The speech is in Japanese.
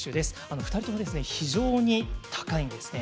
２人とも非常に高いんですね。